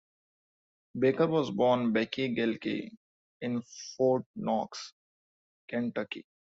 Baker was born Becky Gelke in Fort Knox, Kentucky.